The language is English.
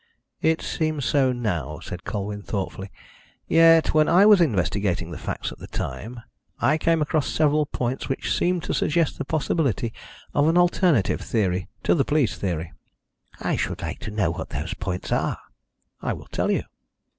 "It seems so now," said Colwyn thoughtfully. "Yet, when I was investigating the facts at the time, I came across several points which seemed to suggest the possibility of an alternative theory to the police theory." "I should like to know what those points are." "I will tell you."